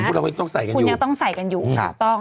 เราก็ต้องใส่กันคุณยังต้องใส่กันอยู่ถูกต้อง